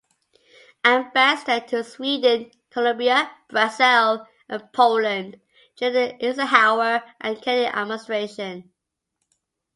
Ambassador to Sweden, Colombia, Brazil, and Poland during the Eisenhower and Kennedy administration.